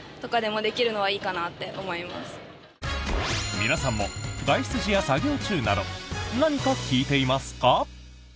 皆さんも、外出時や作業中など何か聴いていますか？